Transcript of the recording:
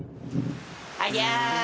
ありゃあ。